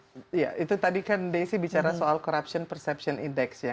iya itu tadi kan desi bicara soal corruption perception index ya